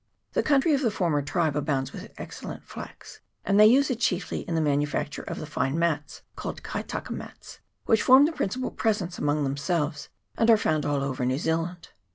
The country of the former tribe abounds with excellent flax, and they use it chiefly in the manufacture of the fine mats, called Kaitaka mats, which form the principal presents amongst them 106 NEW ZEALAND MATS. [PART. I. selves, and are found all over New Zealand.